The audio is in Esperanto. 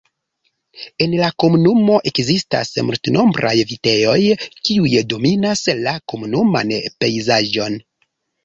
En la komunumo ekzistas multnombraj vitejoj, kiuj dominas la komunuman pejzaĝon.